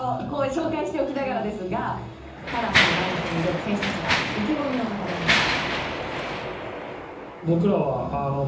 紹介しておきながらですがただその第２戦に挑む選手たちが意気込みを語りました。